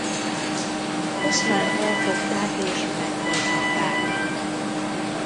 Oszmánt elfogták és megfojtották.